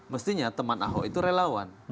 mestinya teman ahok itu relawan